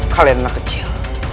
kalian anak kecil